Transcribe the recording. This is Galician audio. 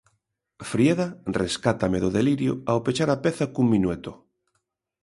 Frieda rescátame do delirio ao pechar a peza cun minueto.